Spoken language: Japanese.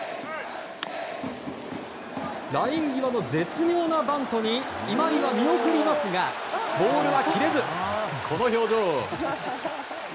ライン際の絶妙なバントに今井は見送りますがボールは切れず、この表情。